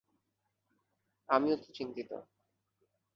আমিও তো চিন্তিত।